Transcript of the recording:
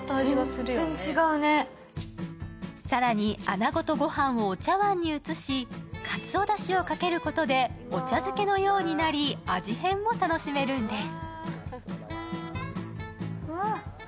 更に、穴子とご飯をお茶碗に移し、かつおだしをかけることでお茶漬けのようになり、味変も楽しめるんです。